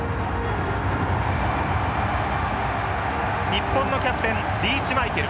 日本のキャプテンリーチマイケル。